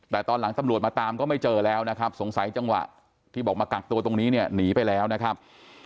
แต่ตอนหลังตำรวจมาตามก็ไม่เจอแล้วนะครับสงสัยจังหวะที่บอกมากักตัวตรงนี้เนี่ยหนีไปแล้วนะครับ